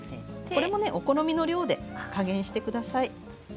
これもお好みの量で加減してください。